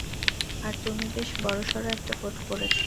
আর তুমি বেশ বড়সড় একটা কোট পড়েছ।